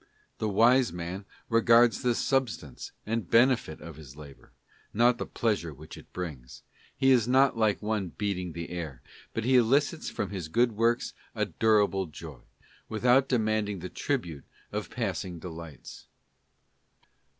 The wise man regards the substance and benefit of his labour—not the pleasure which it brings: he is not like one beating the air, but he elicits from his good works a durable joy, without demanding the tribute of passing delights.